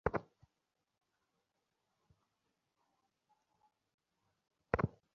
পদার্থবিদ্যার ইতিহাসে অন্যতম সেরা তাত্ত্বিক হিসেবে বিবেচনা করা হয় স্টিফেন হকিংকে।